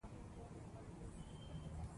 سردارو چې مشري یې کوله، څو کاله وروسته وفات سوه.